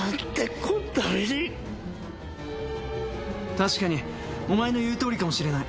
確かにお前の言う通りかもしれない。